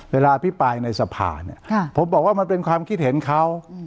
เวลาพิปรายในสะพาเนี้ยค่ะผมบอกว่ามันเป็นความคิดเห็นเขา